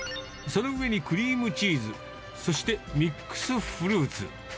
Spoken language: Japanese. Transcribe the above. その上にクリームチーズ、そしてミックスフルーツ。